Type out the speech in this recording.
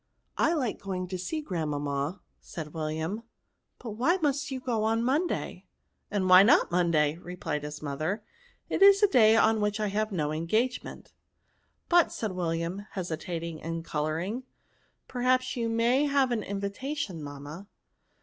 *' I like going to see grandmamma," said William; "butwhymust yougo on Monday?" " And why not on Monday?" replied his mother ;it is a day on which I have no engagement." •' But," said William,, hesitating and co louring, '' perhaps you may have an invit ation, mamma."